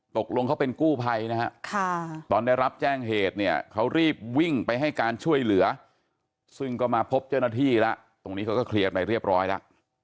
ตกลงเขาเป็นกู้ภัยนะฮะตอนได้รับแจ้งเหตุเนี่ยเขารีบวิ่งไปให้การช่วยเหลือซึ่งก็มาพบเจ้าหน้าที่แล้วตรงนี้เขาก็เคลียร์กันไปเรียบร้อยแล้ว